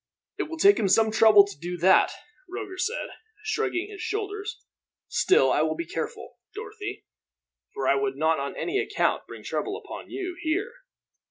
"It will take him some trouble to do that," Roger said, shrugging his shoulders. "Still, I will be careful, Dorothy, for I would not on any account bring trouble upon you, here.